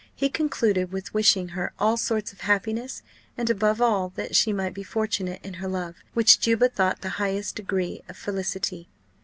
He concluded with wishing her all sorts of happiness, and, above all, that she might be fortunate in her love; which Juba thought the highest degree of felicity.